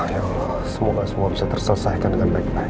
ya allah semoga semua bisa terselesaikan dengan baik baik